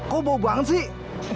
kok bau banget sih